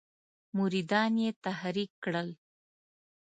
مریدان یې تحریک کړل.